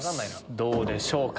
どうでしょうか？